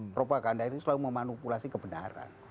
propaganda itu selalu memanipulasi kebenaran